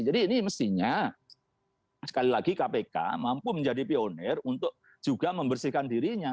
jadi ini mestinya sekali lagi kpk mampu menjadi pionir untuk juga membersihkan dirinya